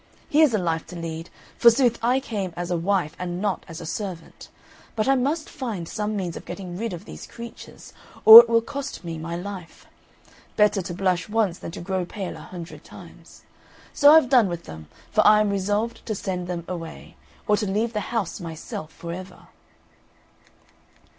Here's a life to lead! Forsooth I came as a wife, and not as a servant; but I must find some means of getting rid of these creatures, or it will cost me my life: better to blush once than to grow pale a hundred times; so I've done with them, for I am resolved to send them away, or to leave the house myself for ever."